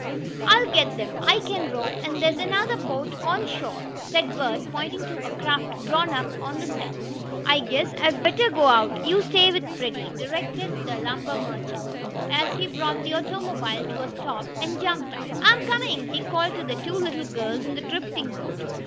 "I'll get them I can row, and there's another boat on shore," said Bert, pointing to a craft drawn up on the sand. "I guess I'd better go out you stay with Freddie," directed the lumber merchant, as he brought the automobile to a stop, and jumped out. "I'm coming!" he called to the two little girls in the drifting boat.